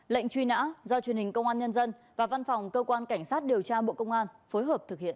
lệnh truy nã do truyền hình công an nhân dân và văn phòng cơ quan cảnh sát điều tra bộ công an phối hợp thực hiện